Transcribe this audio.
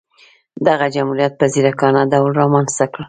دغه جمهوریت په ځیرکانه ډول رامنځته کړل.